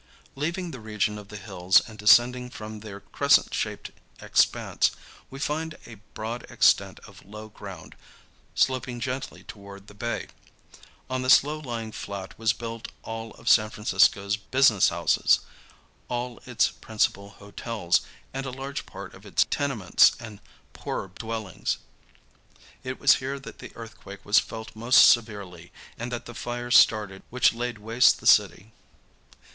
Leaving the region of the hills and descending from their crescent shaped expanse, we find a broad extent of low ground, sloping gently toward the bay. On this low lying flat was built all of San Francisco's business houses, all its principal hotels and a large part of its tenements and poorer dwellings. It was here that the earthquake was felt most severely and that the fire started which laid waste the city.